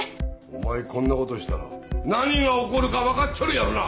お前こんなことしたら何が起こるか分かっちょるやろな？